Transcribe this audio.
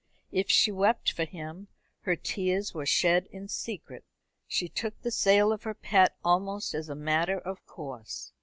If she wept for him, her tears were shed in secret. She took the sale of her pet almost as a matter of course.